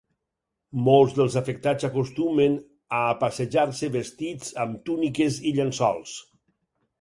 Molts dels afectats acostumen a passejar-se vestits amb túniques o llençols.